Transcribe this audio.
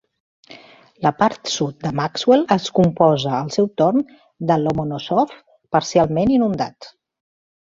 La part sud de Maxwell es composa al seu torn de Lomonosov, parcialment inundat.